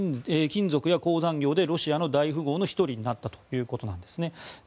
金属や鉱山業でロシアの大富豪の１人となったということです。